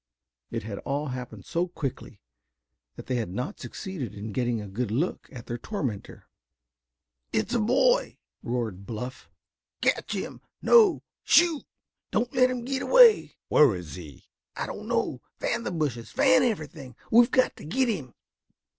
It had all happened so quickly that they had not succeeded in getting a good look at their tormentor. "It's a boy!" roared Bluff. "Catch him. No, shoot! Don't let him get away!" "Where is he!" "I don't know. Fan the bushes, fan everything. We've got to get him!"